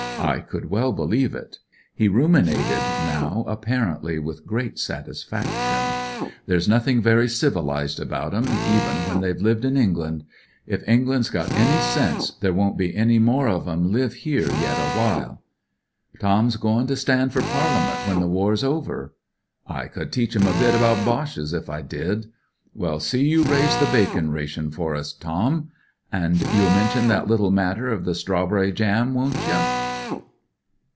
I could well believe it. He ruminated now apparently with great satisfaction.) "There's nothing very civilised about *em, even when they've lived in England. If England's got any sense there won't be any more of 'em live here yet awhile." "Tom's goin' to stand for Parliament when the war'slover I " mm " IT'S A GREAT DO " 229 " I could teach 'em a bit about Boches if I did." " Well, see you raise the bacon ration for us, Tom." " An' you'll mention that little matter of the strawberry jam, won't ye